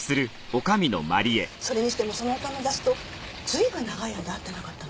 それにしてもそのお友達と随分長い間会ってなかったのね。